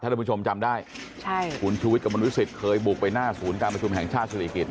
ท่านผู้ชมจำได้ใช่คุณชูวิทย์กระมวลวิสิตเคยบุกไปหน้าศูนย์การประชุมแห่งชาติศิริกิจ